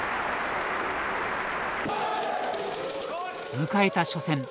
迎えた初戦。